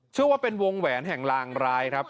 ชื่อว่าเป็นวงแหวนแห่งลางร้ายครับ